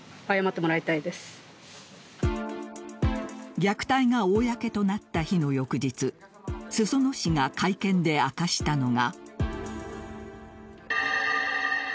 虐待が公となった日の翌日裾野市が会見で明かしたのが。